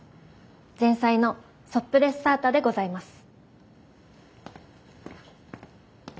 前菜のソップレッサータでございます。